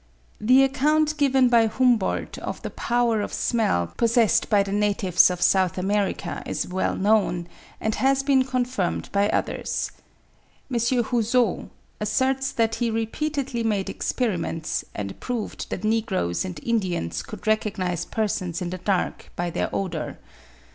The account given by Humboldt of the power of smell possessed by the natives of South America is well known, and has been confirmed by others. M. Houzeau ('Études sur les Facultés Mentales,' etc., tom. i. 1872, p. 91) asserts that he repeatedly made experiments, and proved that Negroes and Indians could recognise persons in the dark by their odour.